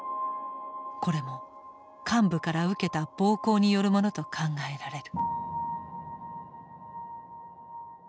これも幹部から受けた暴行によるものと考えられる。